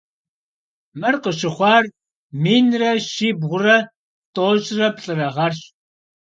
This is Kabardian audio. Mır khışıxhuar minre şibğure t'oş're plh'ıre ğerş.